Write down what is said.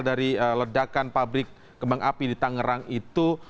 dari ledakan pabrik kembang api di tangerang itu